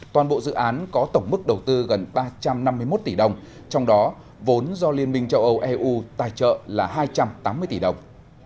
toàn bộ dự án có tổng mức đầu tư gần ba trăm năm mươi một tỷ đồng trong đó vốn do liên minh châu âu eu tài trợ là hai trăm tám mươi tỷ đồng